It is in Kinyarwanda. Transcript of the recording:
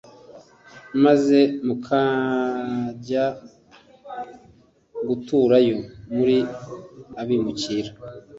maze mukajya guturayo muri abimukira